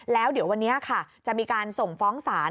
แล้วเดี๋ยววันนี้ค่ะจะมีการส่งฟ้องศาล